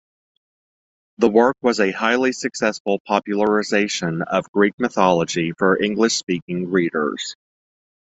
The work was a highly successful popularization of Greek mythology for English-speaking readers.